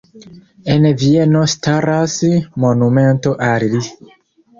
En Vieno staras monumento al li.